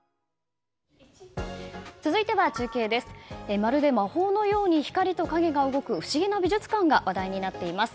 まるで魔法のように光と影が動く不思議な美術館が話題になっています。